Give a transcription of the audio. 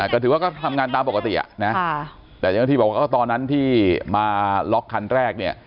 ก็ถือว่าก็ทำงานตามปกติอ่ะนะแต่เจ้าหน้าที่บอกว่าตอนนั้นที่มาล็อกคันแรกเนี่ย